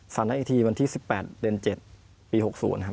นัดอีกทีวันที่๑๘เดือน๗ปี๖๐ครับ